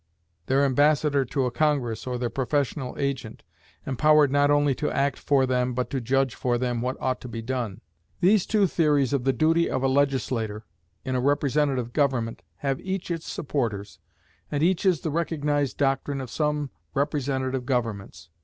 their ambassador to a congress, or their professional agent, empowered not only to act for them, but to judge for them what ought to be done? These two theories of the duty of a legislator in a representative government have each its supporters, and each is the recognized doctrine of some representative governments.